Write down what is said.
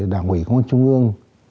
đảng ủy công an trung ương